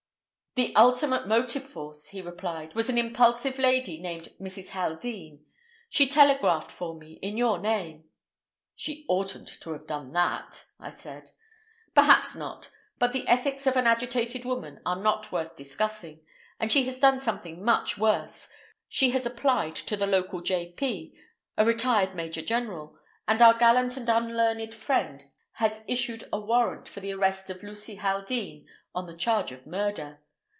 "The ultimate motive force," he replied, "was an impulsive lady named Mrs. Haldean. She telegraphed for me—in your name." "She oughtn't to have done that," I said. "Perhaps not. But the ethics of an agitated woman are not worth discussing, and she has done something much worse—she has applied to the local J.P. (a retired Major General), and our gallant and unlearned friend has issued a warrant for the arrest of Lucy Haldean on the charge of murder."